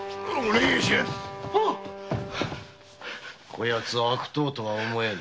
こやつ悪党とは思えぬ。